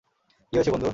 কি হয়েছে বন্ধু?